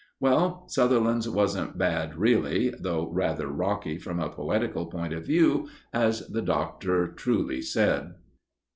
Well, Sutherland's wasn't bad really, though rather rocky from a poetical point of view, as the Doctor truly said.